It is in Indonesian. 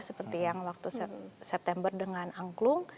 seperti yang waktu september dengan angklung